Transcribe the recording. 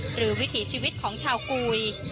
วิถีชีวิตของชาวกุย